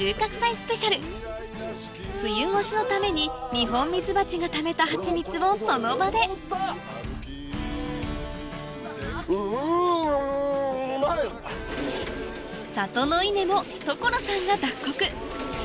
スペシャル冬越しのためにニホンミツバチがためたハチミツをその場で里の稲を所さんが脱穀